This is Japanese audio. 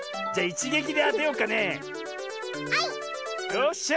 よっしゃ！